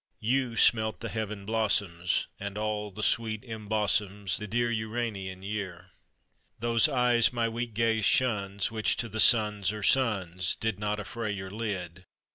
You smelt the Heaven blossoms, And all the sweet embosoms The dear Uranian year. Those Eyes my weak gaze shuns, Which to the suns are Suns, Did Not affray your lid.